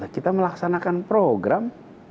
kita melaksanakan program